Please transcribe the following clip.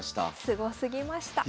すごすぎました。